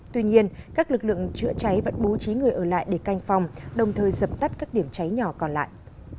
tuy nhiên các lực lượng chữa cháy vẫn bố trí người ở lại để canh phòng đồng thời dập tắt các điểm cháy nhỏ còn lại